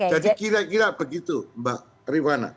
jadi kira kira begitu mbak rivana